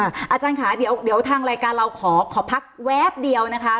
อาจารย์ค่ะเดี๋ยวทางรายการเราขอพักแวบเดียวนะคะ